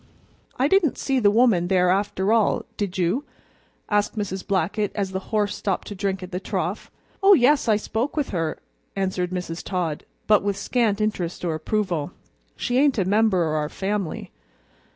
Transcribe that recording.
"I didn't see the woman there after all, did you?" asked Mrs. Blackett as the horse stopped to drink at the trough. "Oh yes, I spoke with her," answered Mrs. Todd, with but scant interest or approval. "She ain't a member o' our family."